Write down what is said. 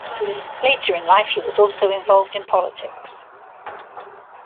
Later in life he was also involved in politics.